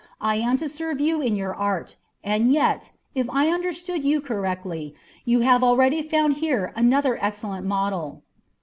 I am to serve you in your art, and yet, if I understood you correctly, you have already found here another excellent model."